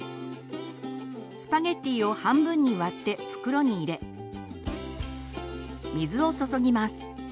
スパゲッティを半分に割って袋に入れ水を注ぎます。